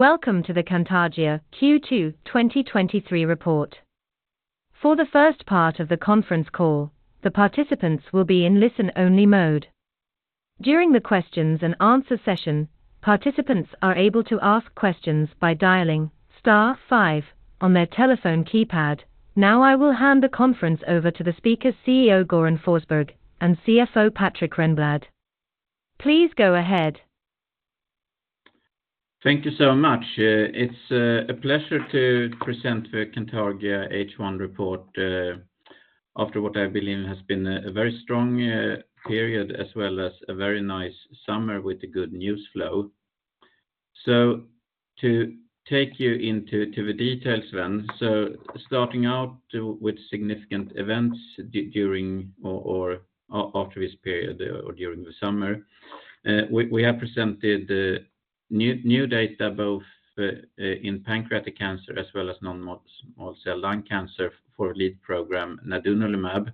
Welcome to the Cantargia Q2 2023 report. For the first part of the conference call, the participants will be in listen-only mode. During the questions and answer session, participants are able to ask questions by dialing star 5 on their telephone keypad. Now, I will hand the conference over to the speakers, CEO Göran Forsberg and CFO Patrik Renblad. Please go ahead. Thank you so much. It's a pleasure to present the Cantargia H1 report, after what I believe has been a very strong period, as well as a very nice summer with a good news flow. To take you into the details then. Starting out with significant events, during or after this period or during the summer, we have presented new data both in pancreatic cancer as well as non-small cell lung cancer for lead program nadunolimab,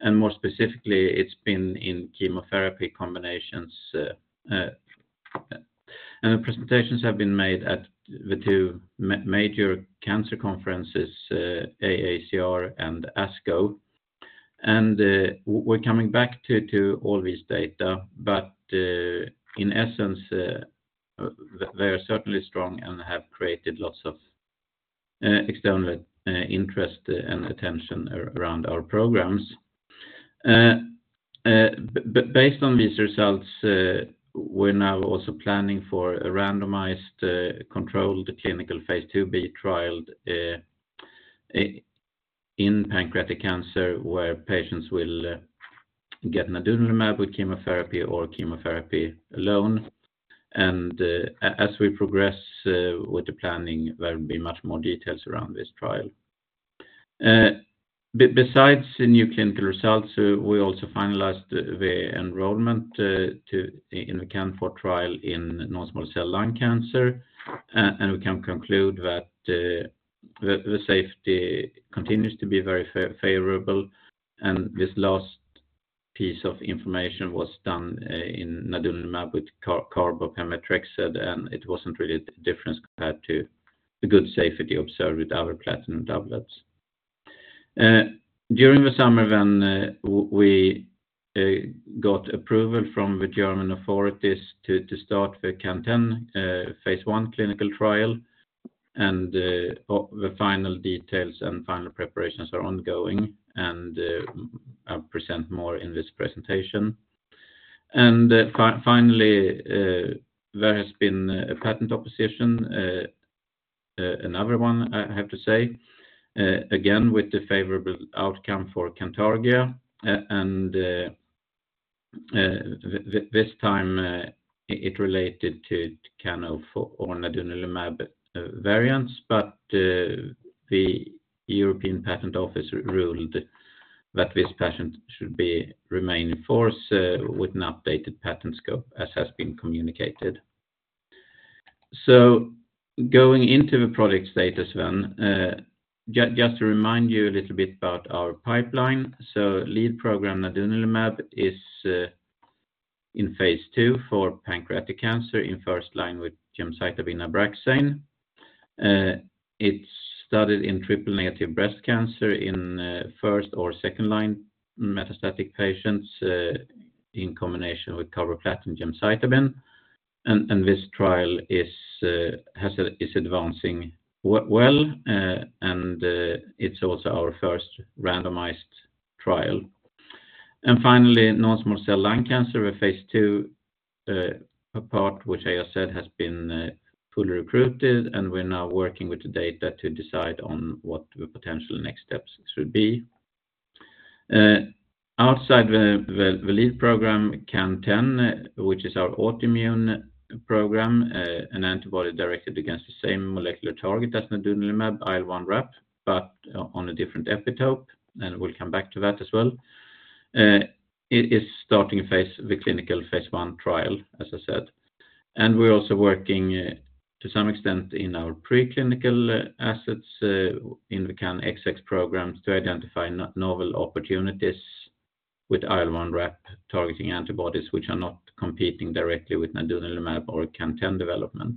and more specifically, it's been in chemotherapy combinations. The presentations have been made at the two major cancer conferences, AACR and ASCO. We're coming back to, to all this data, but in essence, they are certainly strong and have created lots of external interest and attention around our programs. Based on these results, we're now also planning for a randomized, controlled clinical phase II-B trial in pancreatic cancer, where patients will get nadunolimab with chemotherapy or chemotherapy alone. As we progress with the planning, there will be much more details around this trial. Besides the new clinical results, we also finalized the enrollment to, in the CANFOUR trial in non-small cell lung cancer. And we can conclude that the safety continues to be very favorable. This last piece of information was done in nadunolimab with carboplatin plus gemcitabine, and it wasn't really different compared to the good safety observed with other platinum doublets. During the summer, when we got approval from the German authorities to start the CAN10 phase I clinical trial. The final details and final preparations are ongoing, and I'll present more in this presentation. Finally, there has been a patent opposition, another one, I have to say, again, with the favorable outcome for Cantargia. This time, it related to kind of on nadunolimab variants, but the European Patent Office ruled that this patent should be remain in force with an updated patent scope, as has been communicated. Going into the product status then, just to remind you a little bit about our pipeline. Lead program nadunolimab is in phase II for pancreatic cancer in 1st line with gemcitabine Abraxane. It's started in triple-negative breast cancer in first or second line metastatic patients in combination with carboplatin gemcitabine. This trial is advancing well, and it's also our 1st randomized trial. Finally, non-small cell lung cancer, a phase II part, which I just said has been fully recruited, and we're now working with the data to decide on what the potential next steps should be. Outside the, the, the lead program, CAN10, which is our autoimmune program, an antibody directed against the same molecular target as nadunolimab, IL1RAP, but on a different epitope. We'll come back to that as well. It is starting a phase, the clinical phase I trial, as I said. We're also working to some extent in our preclinical assets in the CANxx programs to identify novel opportunities with IL1RAP targeting antibodies, which are not competing directly with nadunolimab or CAN10 development.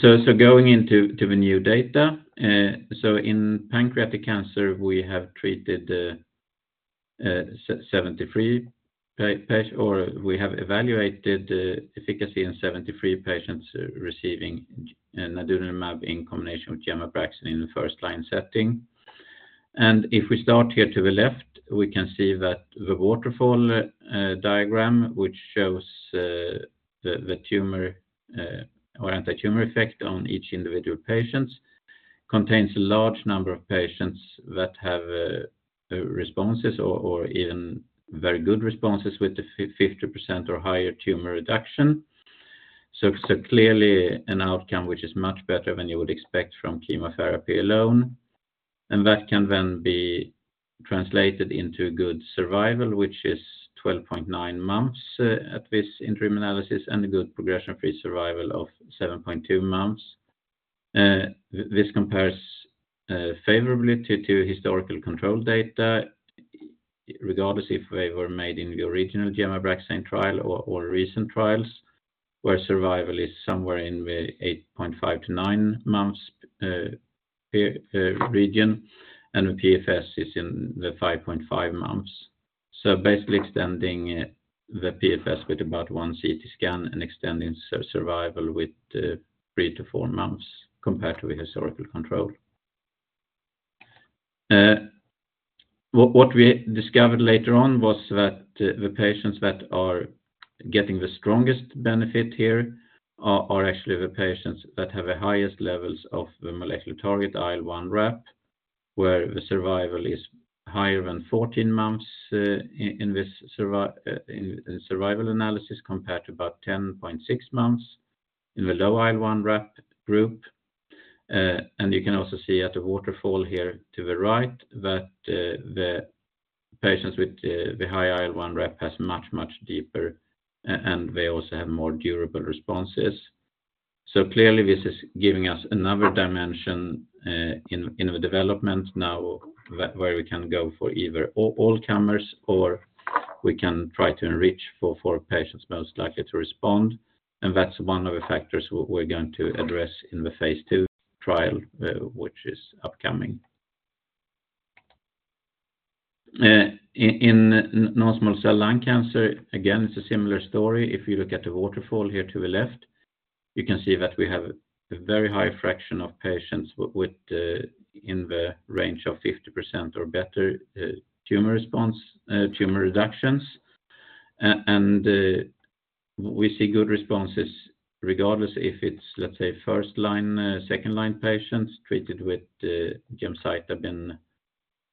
Going into to the new data, in pancreatic cancer, we have treated 73 patients or we have evaluated the efficacy in 73 patients receiving nadunolimab in combination with gemcitabine and Abraxane in the first line setting. If we start here to the left, we can see that the waterfall diagram, which shows the, the tumor, or anti-tumor effect on each individual patients, contains a large number of patients that have responses or, or even very good responses with the 50% or higher tumor reduction. Clearly an outcome which is much better than you would expect from chemotherapy alone, and that can then be translated into good survival, which is 12.9 months at this interim analysis, and a good progression-free survival of 7.2 months. This compares favorably to historical control data regardless if they were made in the original gemcitabine and Abraxane trial or, or recent trials, where survival is somewhere in the 8.5 to nine months region, and the PFS is in the 5.5 months. Basically extending the PFS with about 1 CT scan and extending survival with three to four months compared to the historical control. What, what we discovered later on was that the patients that are getting the strongest benefit here are actually the patients that have the highest levels of the molecular target IL1RAP, where the survival is higher than 14 months in survival analysis, compared to about 10.6 months in the low IL1RAP group. And you can also see at the waterfall here to the right, that the patients with the high IL1RAP has much, much deeper, and they also have more durable responses. Clearly, this is giving us another dimension in the development now, where we can go for either all, all comers, or we can try to enrich for, for patients most likely to respond. And that's one of the factors we're going to address in the phase II trial, which is upcoming. In non-small cell lung cancer, again, it's a similar story. If you look at the waterfall here to the left, you can see that we have a very high fraction of patients with in the range of 50% or better tumor response, tumor reductions. And we see good responses regardless if it's, let's say, first line, second line patients treated with gemcitabine,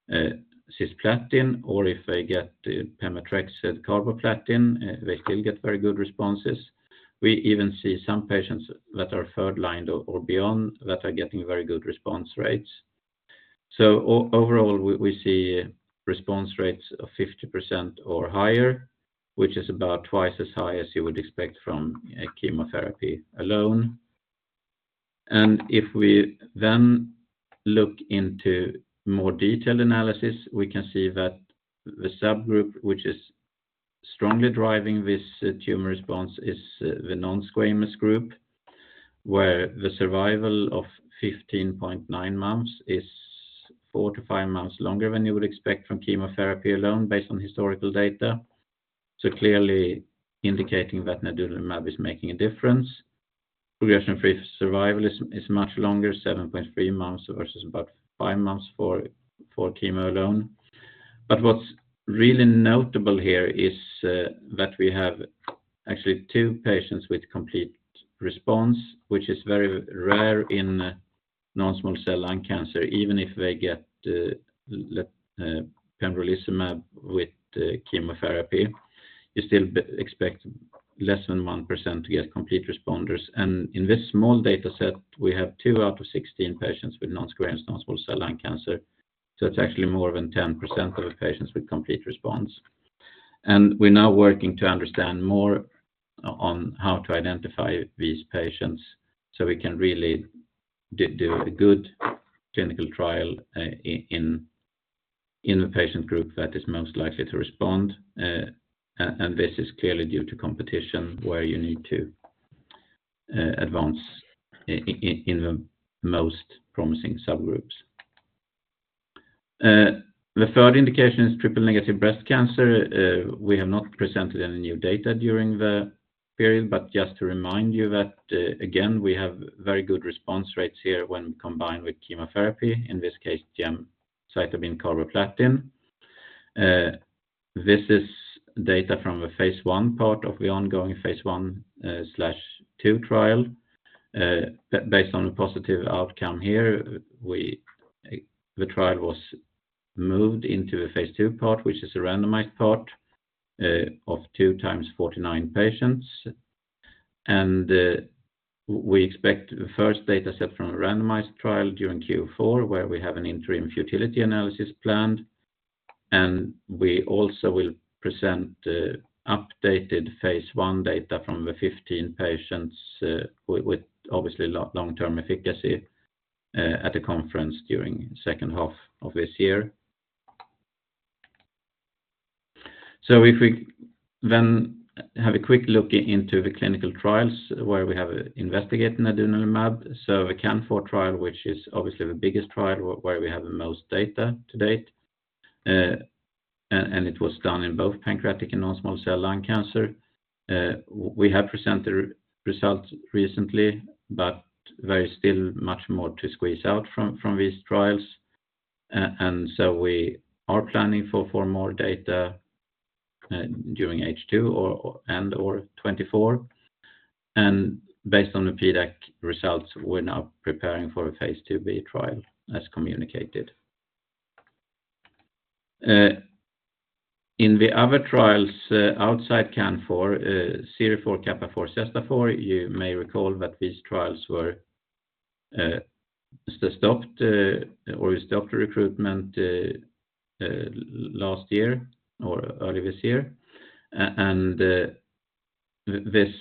cisplatin, or if they get the pemetrexed carboplatin, they still get very good responses. We even see some patients that are third line or beyond that are getting very good response rates. Overall, we see response rates of 50% or higher, which is about twice as high as you would expect from a chemotherapy alone. If we then look into more detailed analysis, we can see that the subgroup, which is strongly driving this tumor response, is the non-squamous group, where the survival of 15.9 months is four to five months longer than you would expect from chemotherapy alone, based on historical data. Clearly indicating that nadunolimab is making a difference. Progression-free survival is much longer, 7.3 months versus about five months for chemo alone. What's really notable here is that we have actually two patients with complete response, which is very rare in non-small cell lung cancer, even if they get pembrolizumab with chemotherapy, you still expect less than 1% to get complete responders. In this small dataset, we have two out of 16 patients with non-squamous non-small cell lung cancer, so it's actually more than 10% of the patients with complete response. We're now working to understand more on how to identify these patients, so we can really do a good clinical trial in the patient group that is most likely to respond. This is clearly due to competition, where you need to advance in the most promising subgroups. The third indication is triple-negative breast cancer. We have not presented any new data during the period, but just to remind you that, again, we have very good response rates here when combined with chemotherapy, in this case, gemcitabine carboplatin. This is data from the phase I part of the ongoing phase I/II trial. Based on a positive outcome here, we, the trial was moved into a phase II part, which is a randomized part of two times 49 patients. We expect the first data set from a randomized trial during Q4, where we have an interim futility analysis planned. We also will present the updated phase I data from the 15 patients, with, with obviously long-term efficacy, at a conference during second half of this year. If we then have a quick look into the clinical trials where we have investigated nadunolimab, so the CANFOUR trial, which is obviously the biggest trial where we have the most data to date, and, and it was done in both pancreatic and non-small cell lung cancer. We have presented results recently, but there is still much more to squeeze out from, from these trials. We are planning for, for more data during H2 or, and or 2024. Based on the PDAC results, we're now preparing for phase II-B trial, as communicated. In the other trials, outside CANFOUR, CIRIFOUR, CAPAFOUR, CESTAFOUR, you may recall that these trials were stopped, or we stopped the recruitment, last year or early this year. This.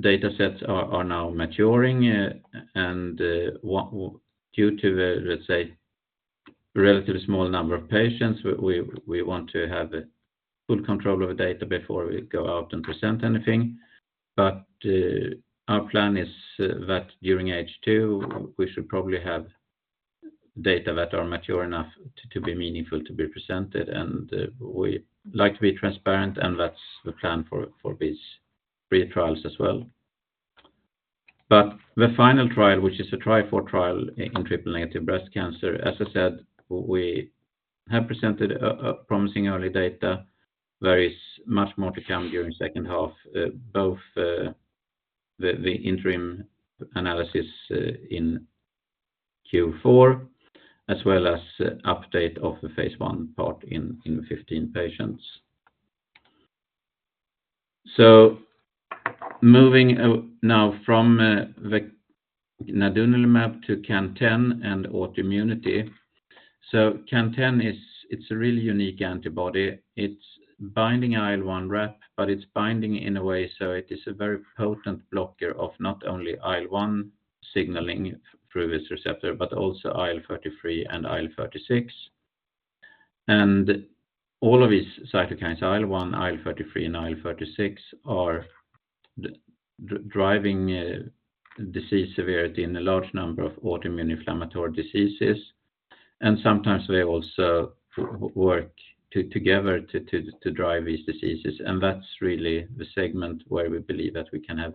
data sets are now maturing, and due to, let's say, relatively small number of patients, we want to have a good control of the data before we go out and present anything. Our plan is that during H2, we should probably have data that are mature enough to be meaningful to be presented, and we like to be transparent, and that's the plan for these pre trials as well. The final trial, which is a TRIFOUR trial in triple-negative breast cancer, as I said, we have presented a promising early data. There is much more to come during second half, both the interim analysis in Q4, as well as update of the phase I part in the 15 patients. Moving now from the nadunolimab to CAN10 and autoimmunity. CAN10 is it's a really unique antibody. It's binding IL1RAP, but it's binding in a way, so it is a very potent blocker of not only IL-1 signaling through this receptor, but also IL-33 and IL-36. All of these cytokines, IL-1, IL-33, and IL-36, are driving disease severity in a large number of autoimmune inflammatory diseases. Sometimes they also work together to drive these diseases, and that's really the segment where we believe that we can have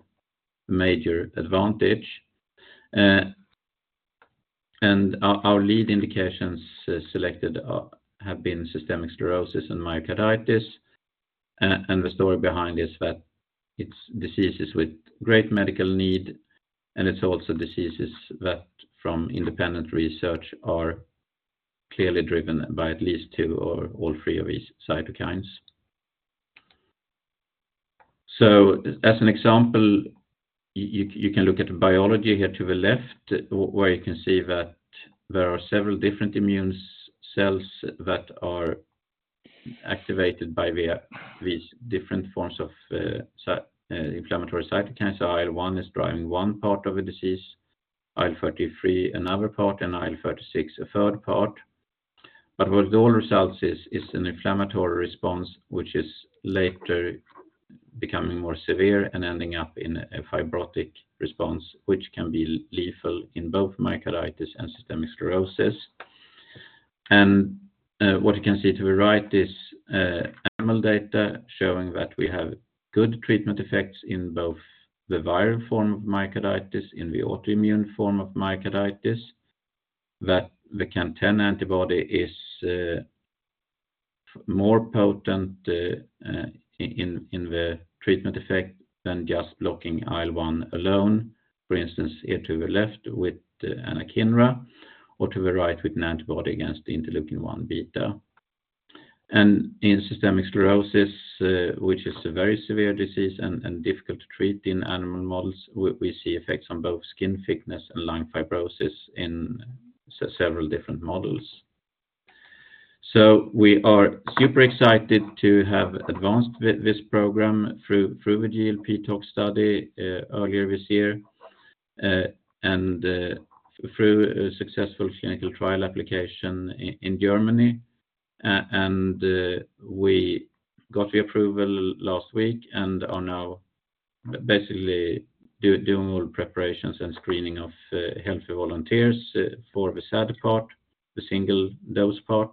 major advantage. Our, our lead indications selected have been systemic sclerosis and myocarditis. The story behind is that it's diseases with great medical need, and it's also diseases that from independent research are clearly driven by at least two or all three of these cytokines. As an example, you, you, you can look at the biology here to the left, where you can see that there are several different immune cells that are activated by these different forms of inflammatory cytokines. IL-1 is driving one part of a disease, IL-33, another part, and IL-36, a third part. What the all results is, is an inflammatory response, which is later becoming more severe and ending up in a fibrotic response, which can be lethal in both myocarditis and systemic sclerosis. What you can see to the right is animal data showing that we have good treatment effects in both the viral form of myocarditis, in the autoimmune form of myocarditis, that the CAN10 antibody is more potent in, in the treatment effect than just blocking IL-1 alone. For instance, here to the left with anakinra, or to the right with an antibody against the interleukin-1 beta. In systemic sclerosis, which is a very severe disease and difficult to treat in animal models, we, we see effects on both skin thickness and lung fibrosis in several different models. We are super excited to have advanced with this program through, through the GLP tox study earlier this year, and through a successful clinical trial application in Germany. We got the approval last week and are now basically doing all preparations and screening of healthy volunteers for the SAD part, the single dose part,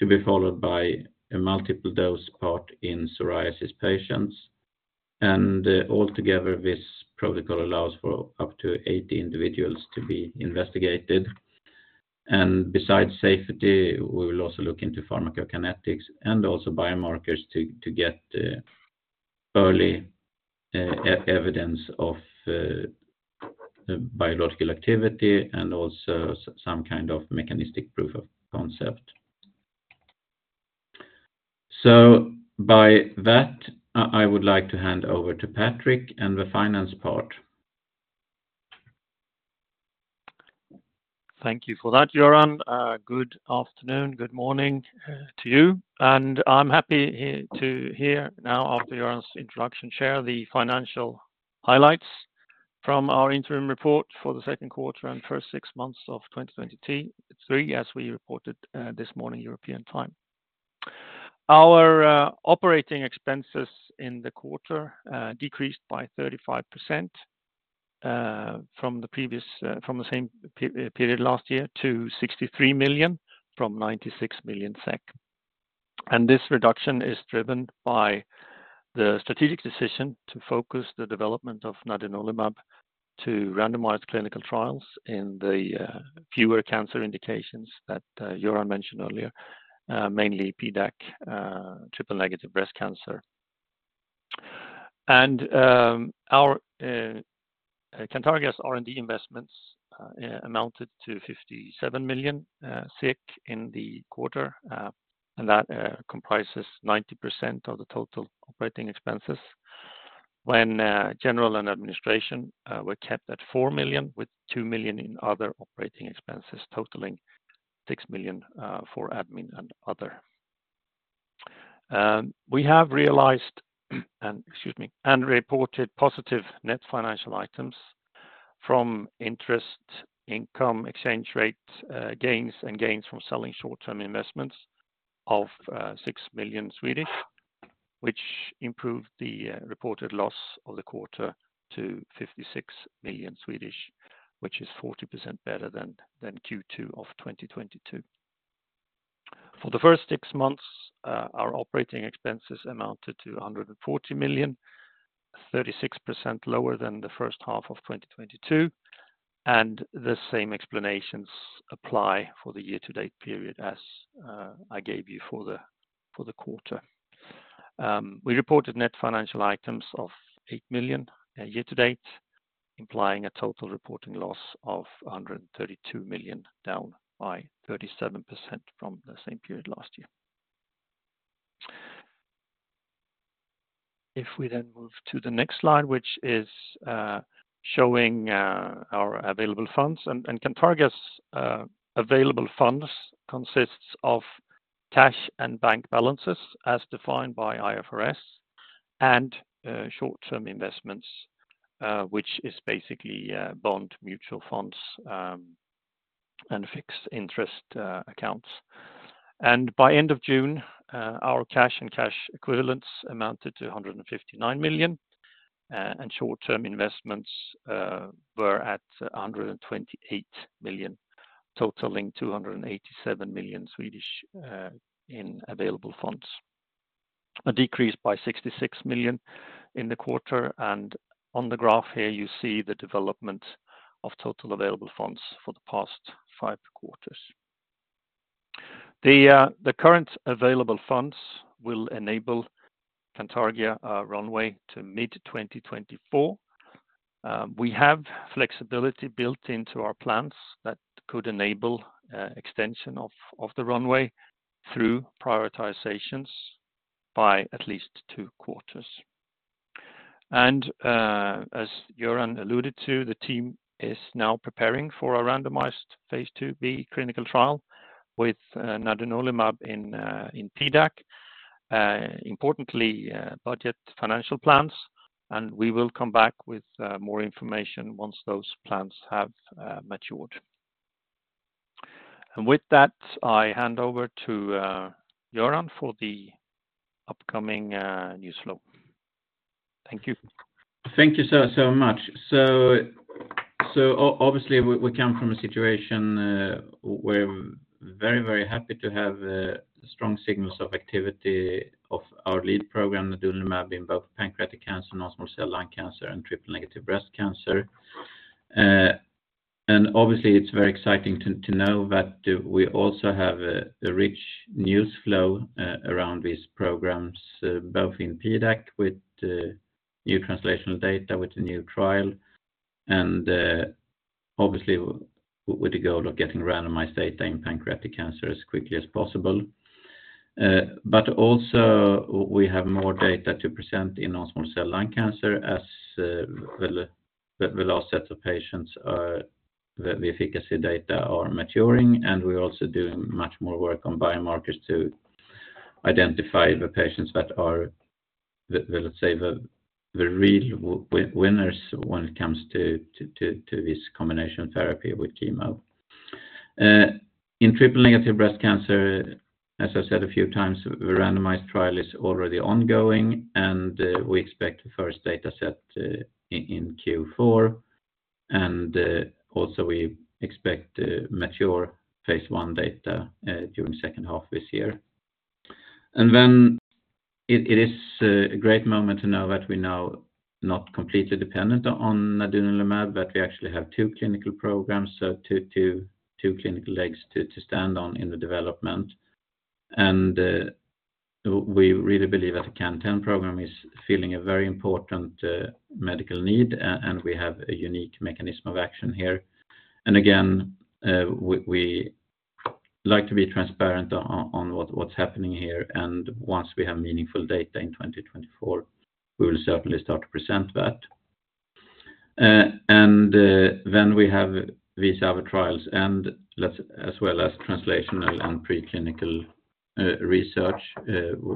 to be followed by a multiple dose part in psoriasis patients. Altogether, this protocol allows for up to 80 individuals to be investigated. Besides safety, we will also look into pharmacokinetics and also biomarkers to, to get early evidence of biological activity and also some kind of mechanistic proof of concept. By that, I, would like to hand over to Patrik and the finance part. Thank you for that, Göran. Good afternoon, good morning, to you. I'm happy here to hear now after Göran's introduction, share the financial highlights from our interim report for the second quarter and first six months of 2023, as we reported this morning, European time. Our operating expenses in the quarter decreased by 35% from the previous, from the same period last year to 63 million from 96 million SEK. This reduction is driven by the strategic decision to focus the development of nadunolimab to randomize clinical trials in the fewer cancer indications that Göran mentioned earlier, mainly PDAC, triple-negative breast cancer. Cantargia's R&D investments amounted to 57 million in the quarter, and that comprises 90% of the total operating expenses, when general and administration were kept at 4 million, with 2 million in other operating expenses, totaling 6 million for admin and other. We have realized and excuse me, and reported positive net financial items from interest, income, exchange rate gains, and gains from selling short-term investments of 6 million, which improved the reported loss of the quarter to 56 million, which is 40% better than Q2 of 2022. For the first six months, our operating expenses amounted to 140 million, 36% lower than the first half of 2022. The same explanations apply for the year-to-date period as I gave you for the quarter. We reported net financial items of 8 million year-to-date, implying a total reporting loss of 132 million, down by 37% from the same period last year. We move to the next slide, which is showing our available funds and Cantargia's available funds consists of cash and bank balances as defined by IFRS and short-term investments, which is basically bond mutual funds and fixed interest accounts. By end of June, our cash and cash equivalents amounted to 159 million and short-term investments were at 128 million, totaling 287 million in available funds. A decrease by 66 million in the quarter. On the graph here, you see the development of total available funds for the past five quarters. The current available funds will enable Cantargia a runway to mid-2024. We have flexibility built into our plans that could enable extension of the runway through prioritizations by at least two quarters. As Goran alluded to, the team is now preparing for a phase II-B clinical trial with nadunolimab in PDAC. Importantly, budget financial plans, and we will come back with more information once those plans have matured. With that, I hand over to Goran for the upcoming news flow. Thank you. Thank you so, so much. Obviously, we come from a situation where we're very, very happy to have strong signals of activity of our lead program, nadunolimab, in both pancreatic cancer, non-small cell lung cancer, and triple-negative breast cancer. Obviously, it's very exciting to, to know that we also have a rich news flow around these programs, both in PDAC with the new translational data, with the new trial, and obviously, with the goal of getting randomized data in pancreatic cancer as quickly as possible. Also we have more data to present in non-small cell lung cancer as the last set of patients are, the efficacy data are maturing, and we're also doing much more work on biomarkers to identify the patients that are the real winners when it comes to this combination therapy with chemo. In triple-negative breast cancer, as I said a few times, the randomized trial is already ongoing, and we expect the first data set in Q4, and also we expect mature phase I data during the second half of this year. It, it is a great moment to know that we're now not completely dependent on nadunolimab, but we actually have two clinical programs, so two, two, two clinical legs to stand on in the development. We really believe that the CAN10 program is filling a very important medical need, and we have a unique mechanism of action here. Again, we like to be transparent on what's happening here, and once we have meaningful data in 2024, we will certainly start to present that. We have these other trials as well as translational and preclinical research,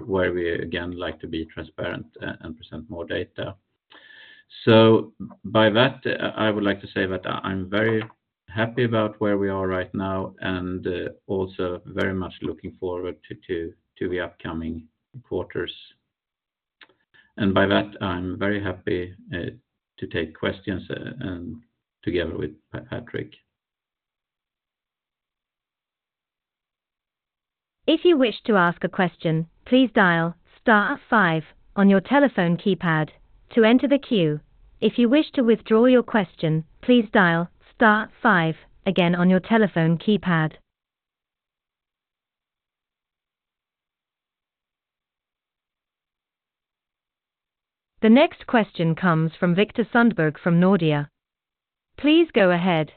where we again like to be transparent and present more data. By that, I would like to say that I'm very happy about where we are right now and also very much looking forward to the upcoming quarters. By that, I'm very happy to take questions and together with Patrik. If you wish to ask a question, please dial star five on your telephone keypad to enter the queue. If you wish to withdraw your question, please dial star five again on your telephone keypad. The next question comes from Viktor Sundberg from Nordea. Please go ahead.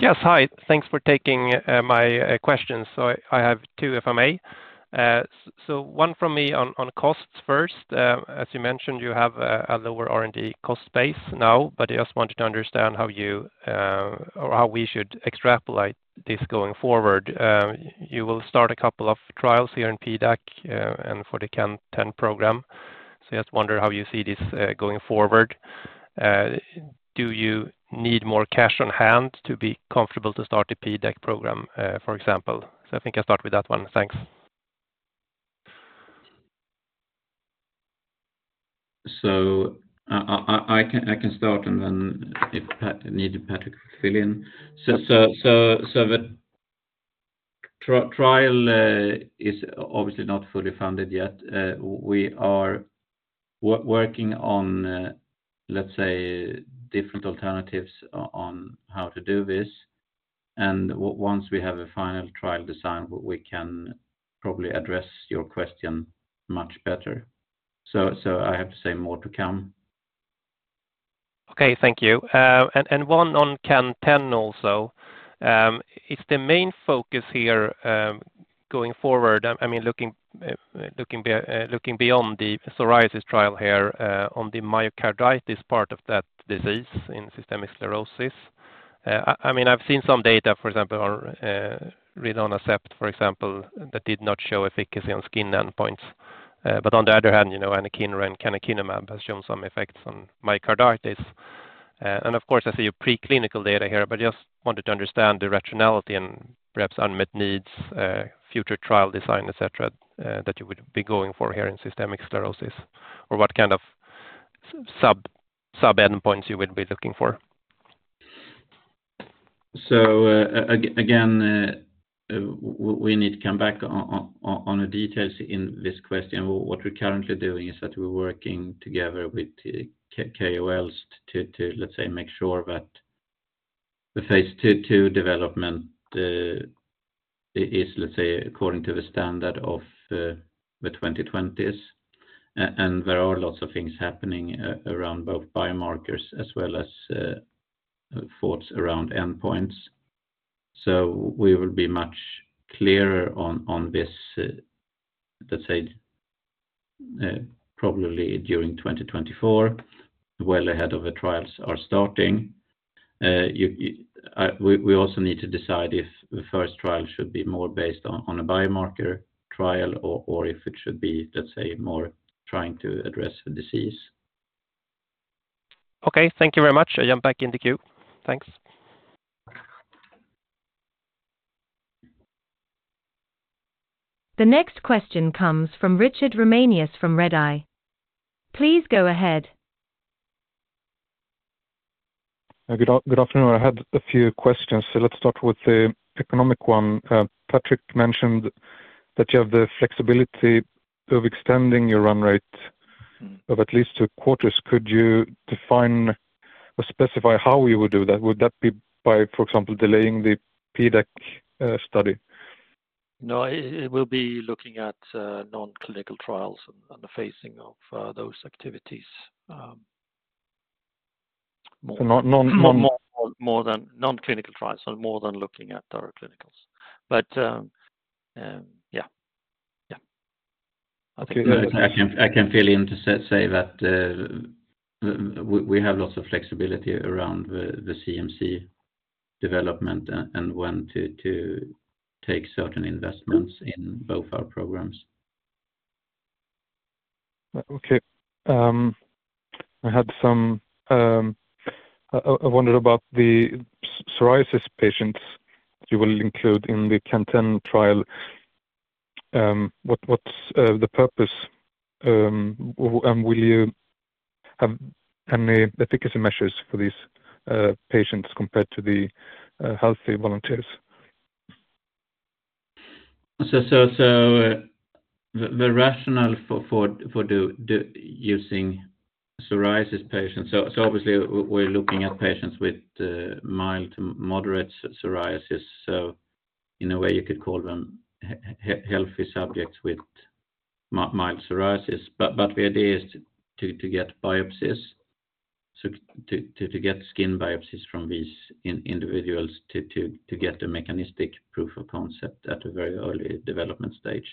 Yes, hi. Thanks for taking my question. I have two, if I may. One from me on, on costs first. As you mentioned, you have a lower R&D cost base now, but I just wanted to understand how you or how we should extrapolate this going forward. You will start a couple of trials here in PDAC and for the CAN-10 program. I just wonder how you see this going forward. Do you need more cash on hand to be comfortable to start the PDAC program, for example? I think I'll start with that one. Thanks. I can, I can start, and then if Patrik need Patrik to fill in. The trial is obviously not fully funded yet. We are working on, let's say, different alternatives on, on how to do this. Once we have a final trial design, we can probably address your question much better. I have to say more to come. Okay, thank you. One on CAN10 also. Is the main focus here going forward, looking beyond the psoriasis trial here on the myocarditis part of that disease in systemic sclerosis. I've seen some data, for example, on rilonacept, for example, that did not show efficacy on skin endpoints. On the other hand, you know, anakinra and canakinumab have shown some effects on myocarditis. Of course, I see your preclinical data here, but just wanted to understand the rationality and perhaps unmet needs, future trial design, et cetera, that you would be going for here in systemic sclerosis, or what kind of sub-endpoints you would be looking for. Again, we need to come back on the details in this question. What we're currently doing is that we're working together with KOLs to, let's say, make sure that the phase II development is, let's say, according to the standard of the 2020s. And there are lots of things happening around both biomarkers as well as thoughts around endpoints. So we will be much clearer on, on this, let's say, probably during 2024, well ahead of the trials are starting. You, we also need to decide if the first trial should be more based on, on a biomarker trial or, or if it should be, let's say, more trying to address the disease. Okay, thank you very much. I jump back in the queue. Thanks. The next question comes from Richard Ramanius from Redeye. Please go ahead. Good afternoon. I had a few questions, so let's start with the economic one. Patrik mentioned that you have the flexibility of extending your run rate- Mm-hmm... of at least two quarters. Could you define or specify how we would do that? Would that be by, for example, delaying the PDAC study? No, it, it will be looking at, non-clinical trials and the phasing of, those activities. So non, non, non- More, more than non-clinical trials, so more than looking at our clinicals. Yeah. Yeah. I can, I can fill in to say, say that, we have lots of flexibility around the CMC development and when to, to take certain investments in both our programs. Okay, I had some... I wondered about the psoriasis patients you will include in the CAN10 trial. What, what's the purpose, and will you have any efficacy measures for these patients compared to the healthy volunteers? The rationale for using psoriasis patients, obviously, we're looking at patients with mild to moderate psoriasis. In a way, you could call them healthy subjects with mild psoriasis. The idea is to get biopsies, so to get skin biopsies from these individuals to get a mechanistic proof of concept at a very early development stage.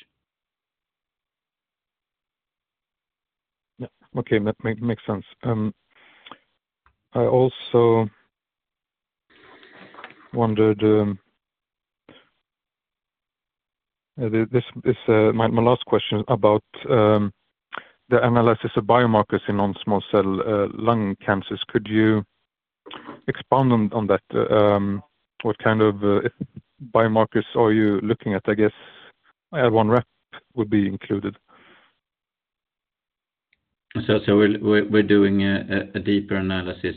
Yeah. Okay, that make, makes sense. I also wondered, this, this, my, my last question about the analysis of biomarkers in non-small cell lung cancers. Could you expand on, on that? What kind of biomarkers are you looking at? I guess, IL-1RAP would be included. We're doing a deeper analysis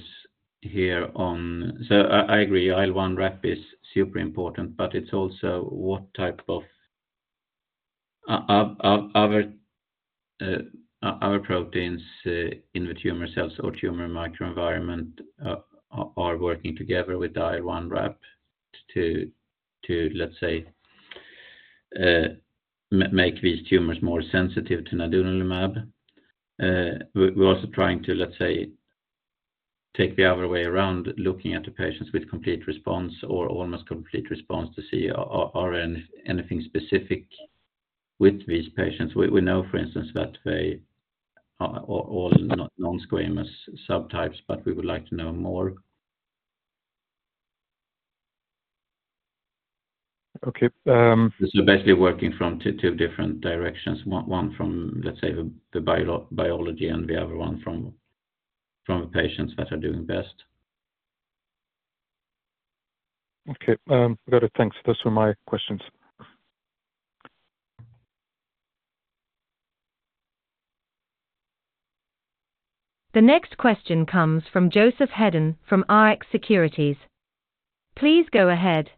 here on... I agree, IL-1RAP is super important, but it's also what type of other proteins in the tumor cells or tumor microenvironment are working together with the IL-1RAP to, let's say, make these tumors more sensitive to nadunolimab. We're also trying to, let's say, take the other way around, looking at the patients with complete response or almost complete response to see are anything specific with these patients. We know, for instance, that they are all non-squamous subtypes, but we would like to know more. Okay. basically working from two different directions. One from, let's say, the biology, and the other one from patients that are doing best. Okay, got it. Thanks. Those were my questions. The next question comes from Joseph Hedden, from Rx Securities. Please go ahead.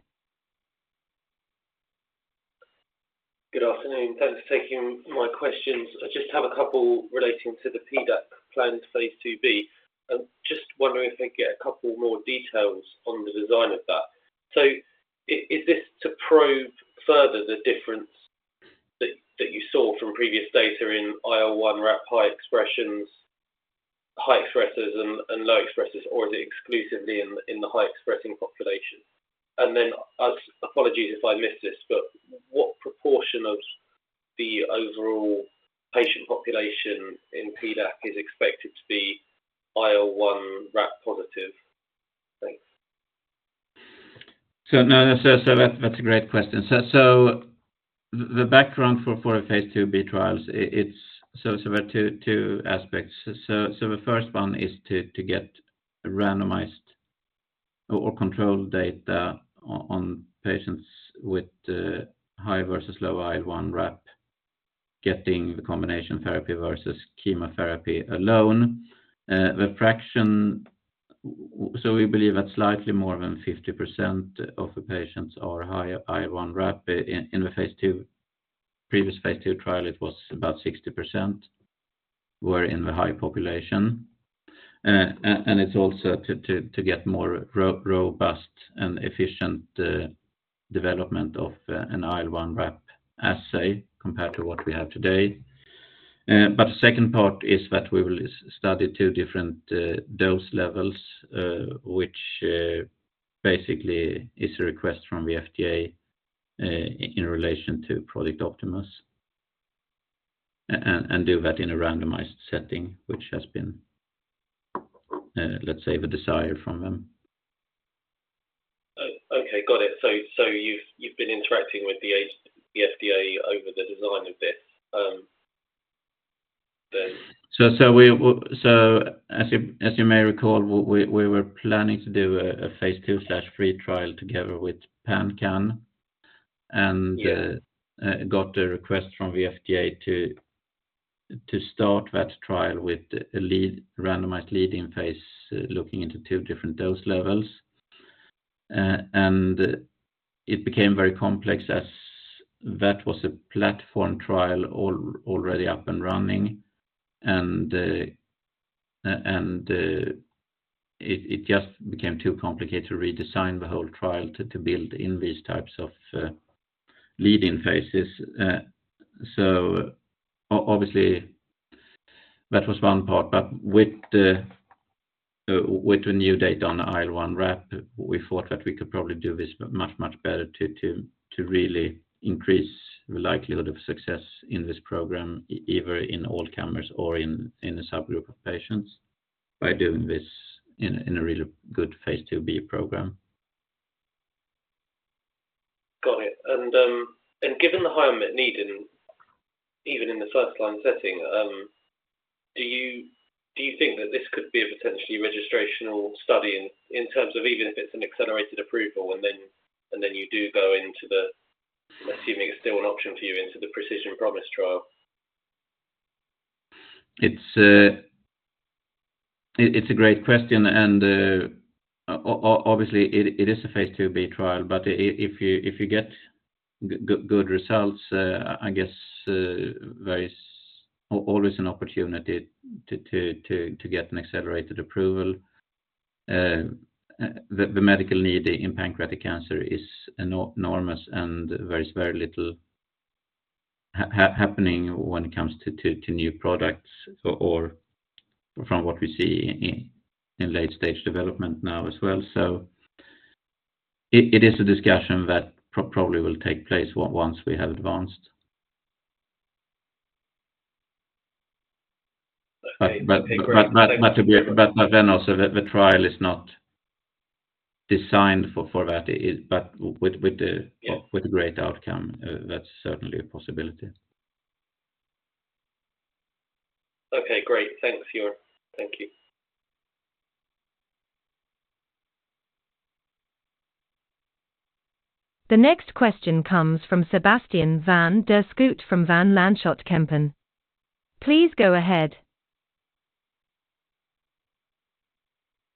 Good afternoon. Thanks for taking my questions. I just have a couple relating to the PDAC phase II-B. just wondering if I could get a couple more details on the design of that. Is this to prove further the difference that, that you saw from previous data in IL-1RAP high expressions, high expressers and, and low expressers, or is it exclusively in, in the high-expressing population? Apologies if I missed this, but what proportion of the overall patient population in PDAC is expected to be IL-1RAP positive? Thanks. No, that's a great question. The background for phase II-B trials, there are two aspects. The first one is to get randomized or controlled data on patients with high versus low IL-1RAP, getting the combination therapy versus chemotherapy alone. The fraction... we believe that slightly more than 50% of the patients are high IL-1RAP. In the previous phase II trial, it was about 60% were in the high population. And it's also to get more robust and efficient development of an IL-1RAP assay compared to what we have today. The second part is that we will study two different dose levels, which basically is a request from the FDA in relation to Project Optimus, and do that in a randomized setting, which has been, let's say, the desire from them. Okay. Got it. You've, you've been interacting with the FDA over the design of this, then? We were planning to do a phase II/III trial together with PanCAN- Yeah... and got a request from the FDA to start that trial with a lead, randomized lead-in phase, looking into two different dose levels. It became very complex as that was a platform trial already up and running, and it just became too complicated to redesign the whole trial to build in these types of lead-in phases. Obviously, that was one part, but with the new data on the IL-1RAP, we thought that we could probably do this much, much better to really increase the likelihood of success in this program, either in all comers or in a subgroup of patients, by doing this in a really phase II-B program. Got it. Given the high unmet need in, even in the first line setting, do you, do you think that this could be a potentially registrational study in, in terms of even if it's an accelerated approval, and then, and then you do go into the, assuming it's still an option for you, into the Precision Promise trial? It's, it's a great question, and obviously, it, it is a phase II-B trial, but if you, if you get good, good results, I guess, there is always an opportunity to get an accelerated approval. The medical need in pancreatic cancer is enormous, and there is very little happening when it comes to, to, to new products or from what we see in, in late-stage development now as well. It is a discussion that probably will take place once we have advanced. Okay, great. Then also, the trial is not designed for that, it is. Yeah... with a great outcome, that's certainly a possibility. Okay, great. Thanks, Göran. Thank you. The next question comes from Sebastiaan van der Schoot from Van Lanschot Kempen. Please go ahead.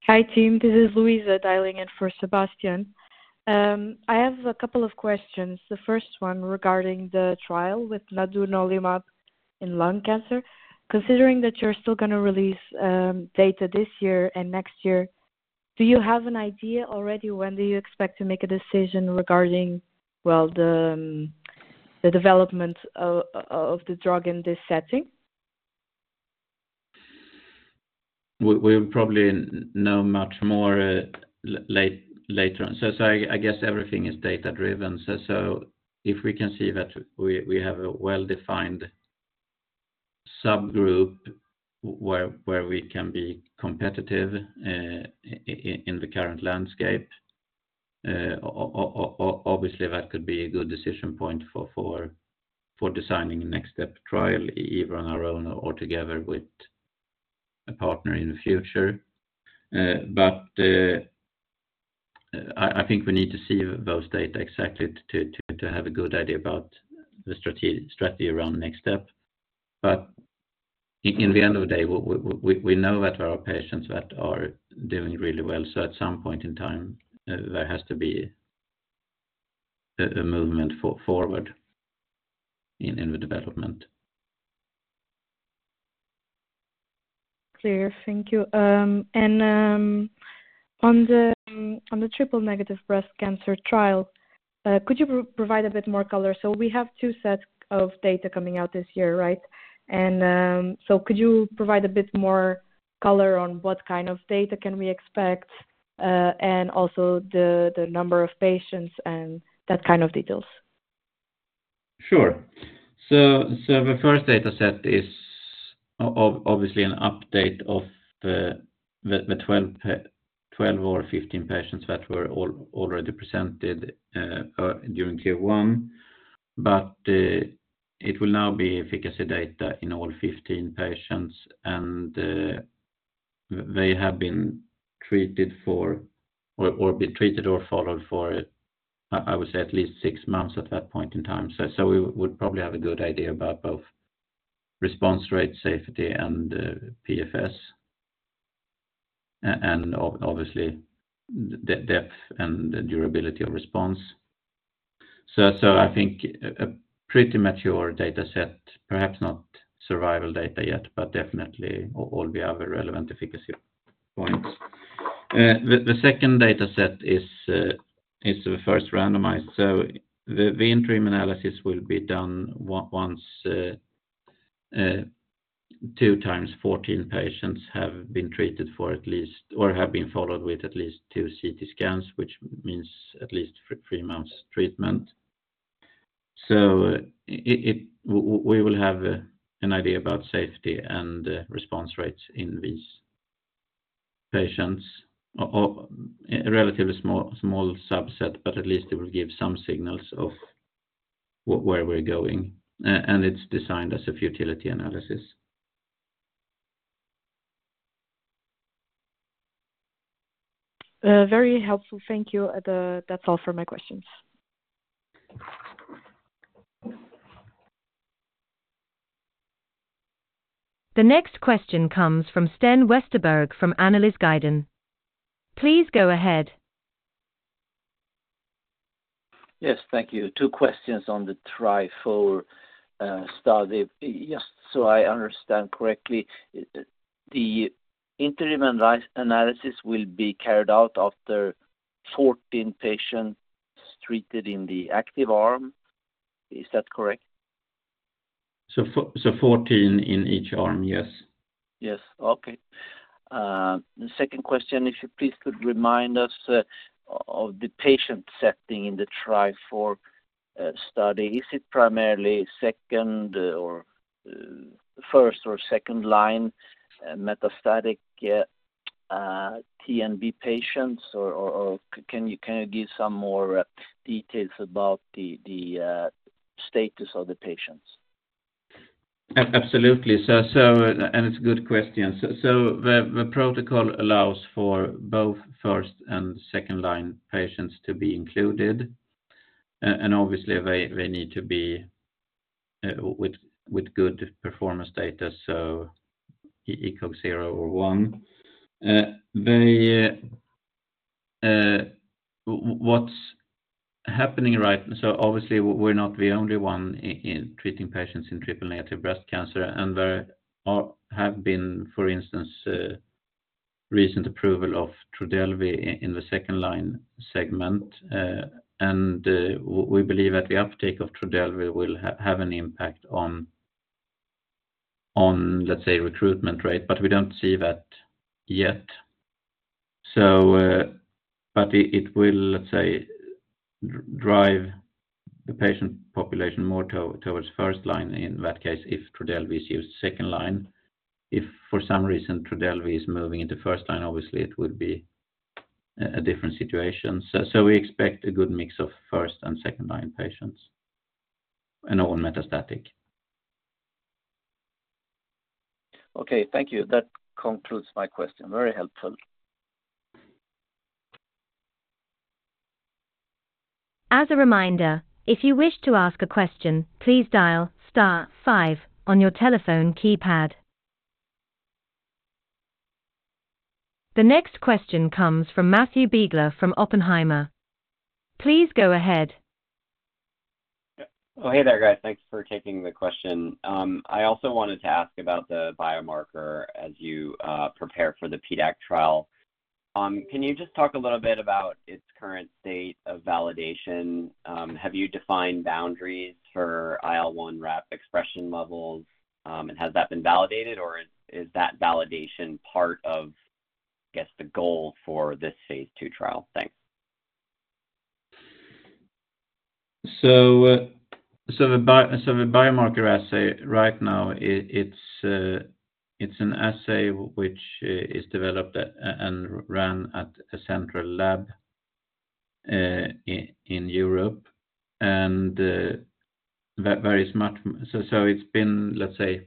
Hi, team. This is Louisa, dialing in for Sebastiaan. I have a couple of questions. The first one regarding the trial with nadunolimab in lung cancer. Considering that you're still gonna release data this year and next year, do you have an idea already, when do you expect to make a decision regarding, well, the development of the drug in this setting? We, we'll probably know much more later on. I guess everything is data-driven. If we can see that we have a well-defined subgroup where we can be competitive in the current landscape. Obviously, that could be a good decision point for designing next step trial, either on our own or together with a partner in the future. I think we need to see those data exactly to have a good idea about the strategy around next step. In the end of the day, we know that there are patients that are doing really well, so at some point in time, there has to be a movement forward in the development. Clear. Thank you. On the, on the triple-negative breast cancer trial, could you pro-provide a bit more color? We have two sets of data coming out this year, right? Could you provide a bit more color on what kind of data can we expect, and also the, the number of patients and that kind of details? Sure. The first data set is obviously an update of the 12 or 15 patients that were already presented during Q1. It will now be efficacy data in all 15 patients, and they have been treated for or been treated or followed for, I would say at least six months at that point in time. We would probably have a good idea about both response rate, safety, and PFS, and obviously, the depth and the durability of response. I think a pretty mature data set, perhaps not survival data yet, but definitely all the other relevant efficacy points. The second data set is the first randomized. The interim analysis will be done once, two times 14 patients have been treated for at least or have been followed with at least two CT scans, which means at least three months treatment. It we will have an idea about safety and response rates in these patients, or, or a relatively small, small subset, but at least it will give some signals of where we're going, and it's designed as a futility analysis. Very helpful. Thank you. That's all for my questions. The next question comes from Sten Westerberg from Analysguiden. Please go ahead. Yes, thank you. Two questions on the TRIFOUR study. Just so I understand correctly, the interim analysis will be carried out after 14 patients treated in the active arm. Is that correct? So 14 in each arm, yes. Yes. Okay. The second question, if you please could remind us, of the patient setting in the TRIFOUR study. Is it primarily second or, first or second line, metastatic, TNBC patients, or can you give some more details about the, the, status of the patients? Absolutely. It's a good question. The protocol allows for both first and second-line patients to be included, and obviously, they need to be with good performance status, so ECOG 0 or 1. They, what's happening, right? Obviously, we're not the only one in treating patients in triple-negative breast cancer, and there have been, for instance, recent approval of Trodelvy in the second line segment, and we believe that the uptake of Trodelvy will have an impact on, let's say, recruitment rate, but we don't see that yet. But it will, let's say, drive the patient population more towards first line, in that case, if Trodelvy is used second line. If for some reason Trodelvy is moving into first line, obviously, it would be a different situation. We expect a good mix of first and second-line patients, and all metastatic. Okay, thank you. That concludes my question. Very helpful. As a reminder, if you wish to ask a question, please dial star five on your telephone keypad. The next question comes from Matthew Biegler from Oppenheimer. Please go ahead. Oh, hey there, guys. Thanks for taking the question. I also wanted to ask about the biomarker as you prepare for the PDAC trial. Can you just talk a little bit about its current state of validation? Have you defined boundaries for IL-1RAP expression levels, and has that been validated, or is that validation part of, I guess, the goal for this phase II trial? Thanks. The biomarker assay right now, it's an assay which is developed and run at a central lab in Europe, and very smart. It's been, let's say,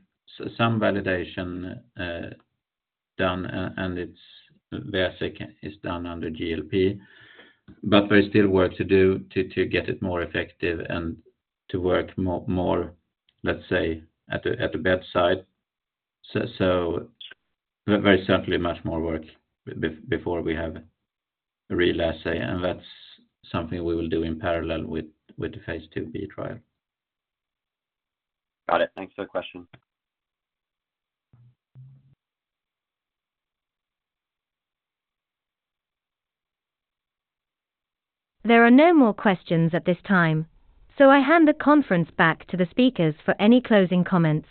some validation done, and it's basic, is done under GLP, but there is still work to do to, to get it more effective and to work more, more, let's say, at the, at the bedside. Very certainly much more work before we have a real assay, and that's something we will do in parallel with, with the phase II-B trial. Got it. Thanks for the question. There are no more questions at this time, so I hand the conference back to the speakers for any closing comments.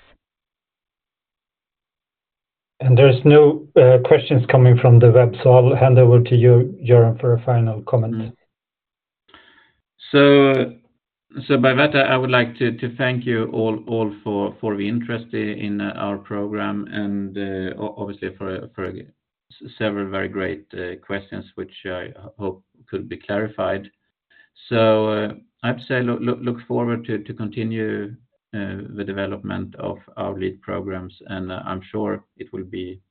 There's no questions coming from the web, so I'll hand over to you, Göran, for a final comment. By that, I would like to thank you all for the interest in our program and obviously, for several very great questions, which I hope could be clarified. I'd say look forward to continue the development of our lead programs, and I'm sure it will be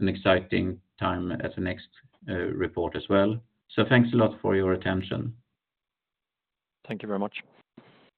an exciting time at the next report as well. Thanks a lot for your attention. Thank you very much.